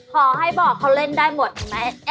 ขอให้บอกเขาเล่นได้หมดไหม